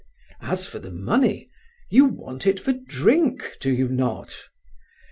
As for the money, you want it for drink, do you not?